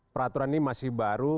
peraturan ini masih baru